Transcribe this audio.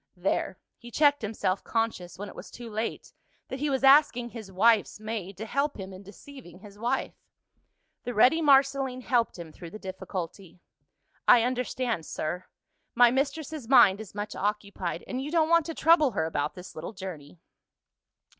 There, he checked himself; conscious, when it was too late, that he was asking his wife's maid to help him in deceiving his wife. The ready Marceline helped him through the difficulty. "I understand, sir: my mistress's mind is much occupied and you don't want to trouble her about this little journey."